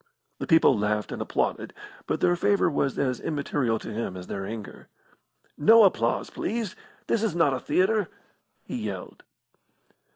The people laughed and applauded, but their favour was as immaterial to him as their anger. "No applause, please! This is not a theatre!" he yelled.